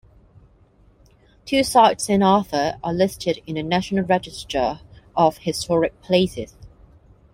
Two sites in Arthur are listed in the National Register of Historic Places.